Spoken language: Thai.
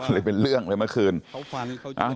เป็นเรื่องเลยเมื่อคืน